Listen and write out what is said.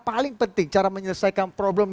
paling penting cara menyelesaikan problem